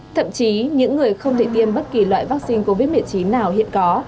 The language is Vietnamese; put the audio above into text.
thậm chí những người không thể tiêm bất kỳ loại vaccine covid một mươi chín nào hiện có